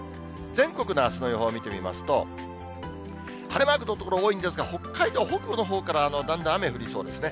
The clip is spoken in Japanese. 全国のあすの予報、見てみますと、晴れマークの所も多いんですが、北海道北部のほうからだんだん雨降りそうですね。